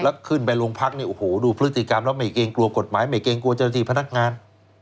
คือขึ้นไปโรงพักษณ์ดูพฤติกรรมแล้วไม่เกรงกลัวกฎหมายไม่เกรงกลัวเจอร์ทีพนักงาน